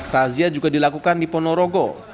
razia juga dilakukan di ponorogo